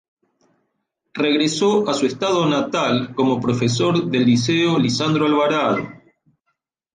Regresó a su estado natal como profesor del Liceo Lisandro Alvarado.